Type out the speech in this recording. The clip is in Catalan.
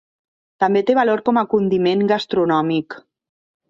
També té valor com a condiment gastronòmic.